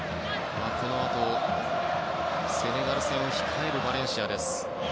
このあと、セネガル戦を控えるバレンシアです。